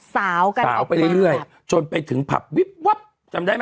สาวกันไว้มากครับสาวไปเรื่อยจนไปถึงภัพร์วิบวับจำได้ไหม